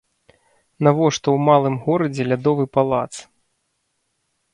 Навошта ў малым горадзе лядовы палац?